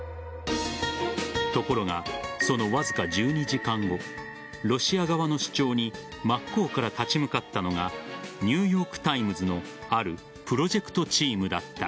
ところが、そのわずか１２時間後ロシア側の主張に真っ向から立ち向かったのがニューヨーク・タイムズのあるプロジェクトチームだった。